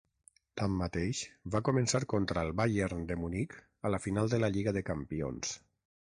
Tanmateix, va començar contra el Bayern de Munic a la final de la Lliga de Campions.